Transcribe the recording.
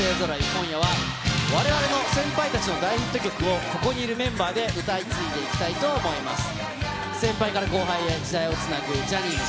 今夜は、われわれの先輩たちの大ヒット曲を、ここにいるメンバーで歌い継いでいきたいと思います。